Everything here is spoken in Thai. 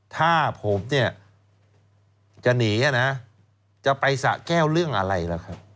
ถ้าผมเนี่ยจะหนีนะจะไปสะแก้วเรื่องอะไรล่ะครับ